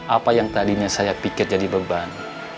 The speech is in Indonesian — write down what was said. apa yang tadinya saya pikir jadi beban